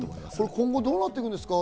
今後どうなっていくんですか？